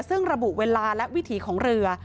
ซึ่งระบุเวลาและวิถีของเรือ